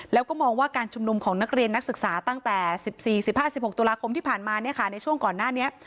แล้วก็มองว่าการชุมนุมของนักเรียนนักศึกษาตั้งแต่๑๔๑๕๑๖ตุลาคมที่ผ่านมาในช่วงก่อนหน้านี้